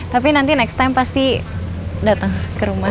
tapi nanti next time pasti datang ke rumah